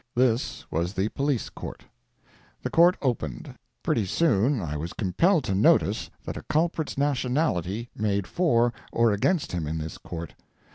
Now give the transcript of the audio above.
This was the police court. The court opened. Pretty soon I was compelled to notice that a culprit's nationality made for or against him in this court.